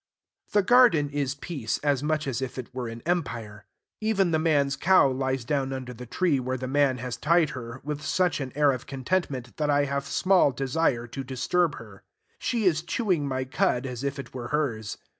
The garden is peace as much as if it were an empire. Even the man's cow lies down under the tree where the man has tied her, with such an air of contentment, that I have small desire to disturb her. She is chewing my cud as if it were hers.